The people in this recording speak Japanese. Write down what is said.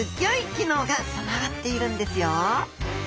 機能が備わっているんですよ！